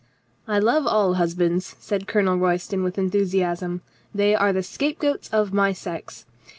"I love all husbands," said Colonel Royston with enthusiasm. "They are the scapegoats of my sex.